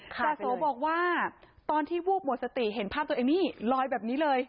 จาโสบอกว่าตอนที่วูบหมดสติเห็นภาพตัวเองนี่ลอยแบบนี้เลย